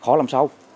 khó làm sau